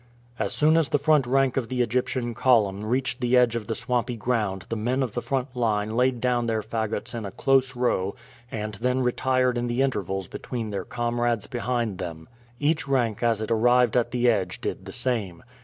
As soon as the front rank of the Egyptian column reached the edge of the swampy ground the men of the front line laid down their fagots in a close row and then retired in the intervals between their comrades behind them. Each rank as it arrived at the edge did the same.